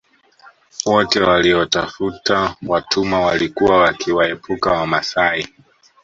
Wote waliotafuta watumwa walikuwa wakiwaepuka Wamasai